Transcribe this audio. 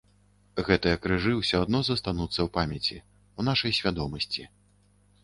Гэтыя крыжы ўсё адно застануцца ў памяці, у нашай свядомасці.